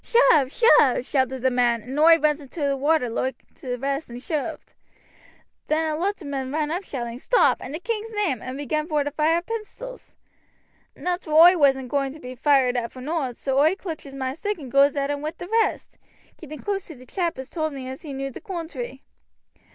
'Shove, shove!' shouted the men, and oi runs into t' water loike t' rest and shooved. Then a lot o' men run up shouting, 'Stop! in the king's name!' and began vor to fire pistols. "Nateral oi wasn't a going to be fired at for nowt, so oi clutches moi stick and goes at 'em wi' the rest, keeping close to t' chap as told me as he knew the coontry.